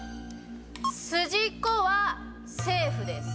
筋子はセーフです。